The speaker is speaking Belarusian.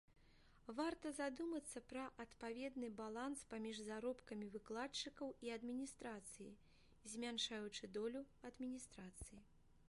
Варта задумацца пра адпаведны баланс паміж заробкамі выкладчыкаў і адміністрацыі, змяншаючы долю адміністрацыі.